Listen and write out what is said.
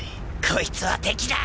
こいつは敵だ！